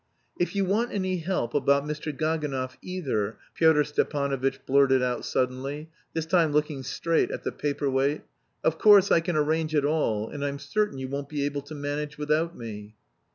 "If you want any help about Mr. Gaganov either," Pyotr Stepanovitch blurted out suddenly, this time looking straight at the paper weight, "of course I can arrange it all, and I'm certain you won't be able to manage without me."